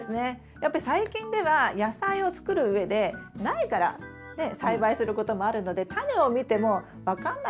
やっぱり最近では野菜をつくるうえで苗から栽培することもあるのでタネを見ても分かんないこと多いですよね。